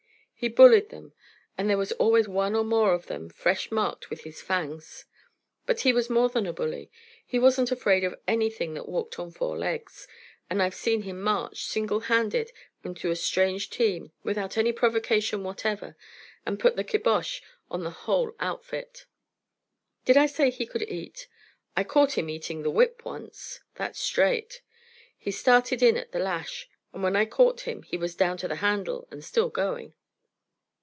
He bullied them, and there was always one or more of them fresh marked with his fangs. But he was more than a bully. He wasn't afraid of anything that walked on four legs; and I've seen him march, single handed, into a strange team, without any provocation whatever, and put the kibosh on the whole outfit. Did I say he could eat? I caught him eating the whip once. That's straight. He started in at the lash, and when I caught him he was down to the handle, and still going.